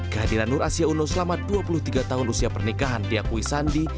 kehadiran nur asia uno selama dua puluh tiga tahun usia pernikahan diakui sandi